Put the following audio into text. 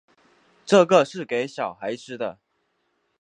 这个是给小孩吃的